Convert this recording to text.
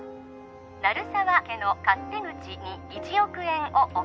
鳴沢家の勝手口に１億円を置き